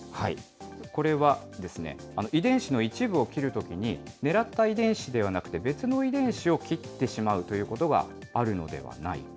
これは、遺伝子の一部を切るときに、狙った遺伝子ではなくて、別の遺伝子を切ってしまうということがあるのではないか。